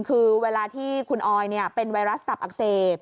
คือเวลาที่คุณออยเป็นไวรัสตับอักเสบ